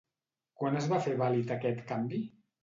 Quan es va fer vàlid aquest canvi?